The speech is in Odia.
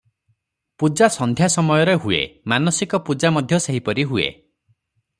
ପୂଜା ସନ୍ଧ୍ୟା ସମୟରେ ହୁଏ, ମାନସିକ ପୂଜା ମଧ୍ୟ ସେହିପରି ହୁଏ ।